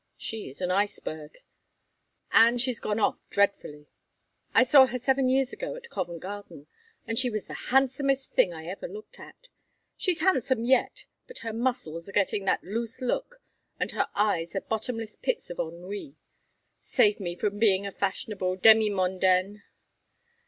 She is an iceberg. And she's gone off dreadfully. I saw her seven years ago at Covent Garden, and she was the handsomest thing I ever looked at. She's handsome yet, but her muscles are getting that loose look and her eyes are bottomless pits of ennui. Save me from being a fashionable demimondaine.